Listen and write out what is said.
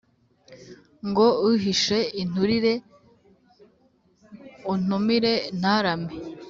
ngo uhishe inturire untumire ntarame?